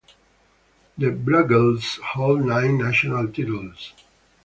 The Blugolds hold nine national titles.